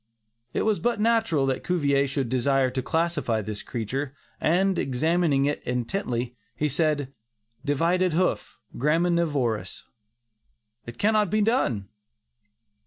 It was but natural that Cuvier should desire to classify this creature, and examining it intently, he said, "Divided hoof; graminivorous! it cannot be done."